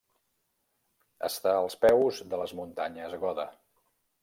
Està als peus de les muntanyes Goda.